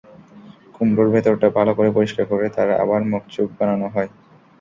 কুমড়োর ভেতরটা ভালো করে পরিষ্কার করে তার আবার মুখ-চোখ বানানো হয়।